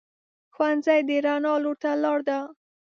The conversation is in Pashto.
ښوونځی د رڼا لور ته لار ده